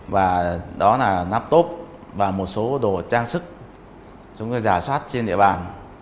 và đó là nắp tốp và một số đồ trang sức chúng ta giả soát trên địa bàn